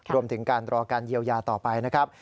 รวมถึงการรอการเยียวยาต่อไปนะครับ